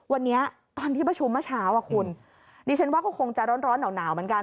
วันนี้ตอนที่ประชุมเมื่อเช้าอ่ะคุณดิฉันว่าก็คงจะร้อนหนาวเหมือนกัน